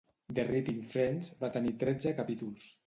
"The Ripping Friends" va tenir tretze capítols.